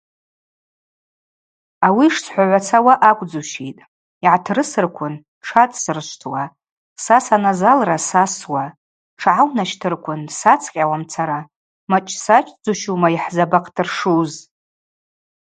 Ауи йшсхӏвагӏвацауа акӏвдзущитӏ: йгӏатрысырквын тшацӏсрышвтуа, са саназалра сасуа, тшгӏаунащтырквын сацӏкъьауамцара – мачӏ-сачӏдзущума йхӏзабахътыршуз.